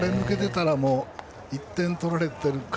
あれで抜けていたら１点、取られているか